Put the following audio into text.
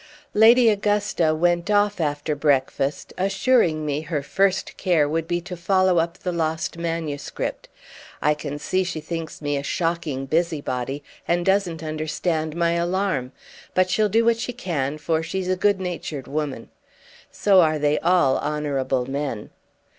Lady Augusta went off after breakfast, assuring me her first care would be to follow up the lost manuscript. I can see she thinks me a shocking busybody and doesn't understand my alarm, but she'll do what she can, for she's a good natured woman. 'So are they all honourable men.